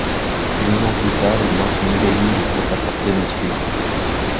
Deux ans plus tard, il lance une nouvelle ligne de prêt-à-porter masculin.